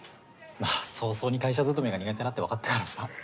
まあ早々に会社勤めが苦手だってわかったからさ。